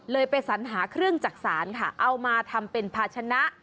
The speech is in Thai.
ไปสัญหาเครื่องจักษานค่ะเอามาทำเป็นภาชนะ